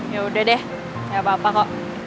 yaudah deh gak apa apa kok